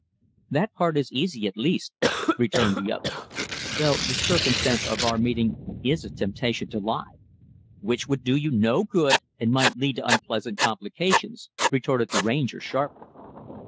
"That part is easy, at least," returned the other. "Though the circumstance of our meeting is a temptation to lie." "Which would do you no good, and might lead to unpleasant complications," retorted the Ranger, sharply.